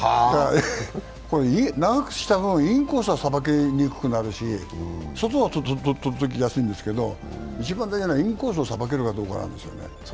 長くした分、インコースは裁けにくくなるし外は届きやすいんですけど一番大事なのはインコースをさばけるかどうかなんですよね。